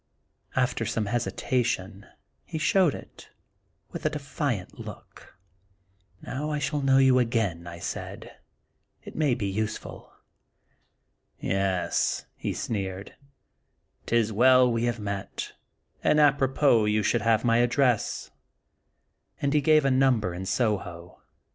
After some hesitation he showed it, with a defiant look. " Now I shall know you again," I said; "it may be useful." "Yes," he sneered, "'tis well we have met, and ap^ ropos^ you should have my address," and he gave a number in Soho.